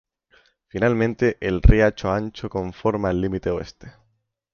Finalmente el riacho Ancho conforma el límite oeste.